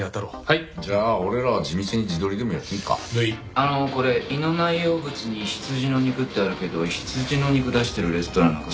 あのこれ胃の内容物に「羊の肉」ってあるけど羊の肉出してるレストランなんかそんなないよな？